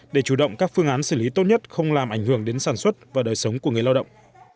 để chủ động các phương án xử lý tốt nhất không làm ảnh hưởng đến sản xuất và đời sống của người lao động